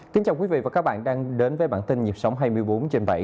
kính chào quý vị và các bạn đang đến với bản tin nhịp sống hai mươi bốn trên bảy